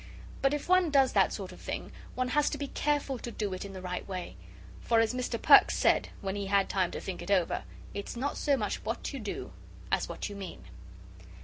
But if one does that sort of thing, one has to be careful to do it in the right way. For, as Mr. Perks said, when he had time to think it over, it's not so much what you do, as what you mean.